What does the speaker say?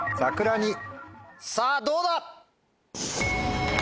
さぁどうだ？